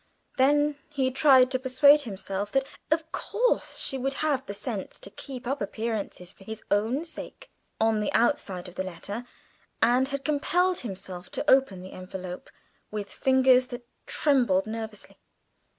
Then he tried to persuade himself that of course she would have the sense to keep up appearances for his own sake on the outside of the letter, and he compelled himself to open the envelope with fingers that trembled nervously.